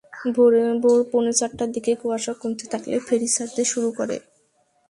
ভোর পৌনে চারটার দিকে কুয়াশা কমতে থাকলে ফেরি ছাড়তে শুরু করে।